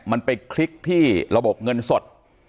มันไปคลิกที่ระบบเงินสด